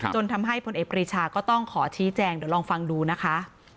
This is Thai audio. จนทำให้พลเอกปรีชาก็ต้องขอชี้แจงเดี๋ยวลองฟังดูนะคะ